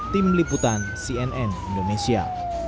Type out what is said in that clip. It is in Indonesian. tim liputan cnn indonesia